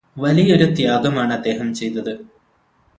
വലിയൊരു ത്യാഗമാണ് അദ്ദേഹം ചെയ്തത്